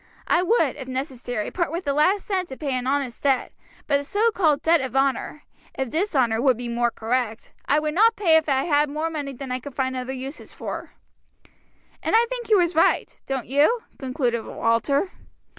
I would, if necessary, part with the last cent to pay an honest debt; but a so called debt of honor (of dishonor would be more correct) I would not pay if I had more money than I could find other uses for.' And I think he was right. Don't you?" concluded Walter.